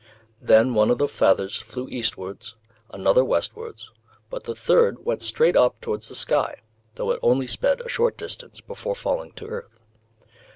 Then one of the feathers flew eastwards, another westwards, but the third went straight up towards the sky, though it only sped a short distance before falling to earth.